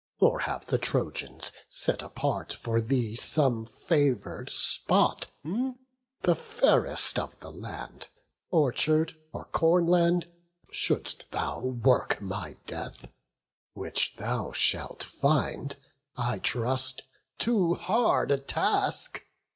Or have the Trojans set apart for thee Some favour'd spot, the fairest of the land, Orchard or corn land, shouldst thou work my death; Which thou shalt find, I trust, too hard a task?